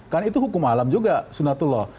kan itu hukum alam juga sunatullah